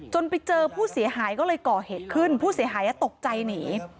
ไปเจอผู้เสียหายก็เลยก่อเหตุขึ้นผู้เสียหายตกใจหนี